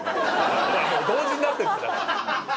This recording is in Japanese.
ほらもう同時になってるってだから。